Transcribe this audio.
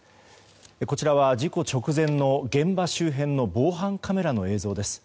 こちらは事故直前の現場周辺の防犯カメラの映像です。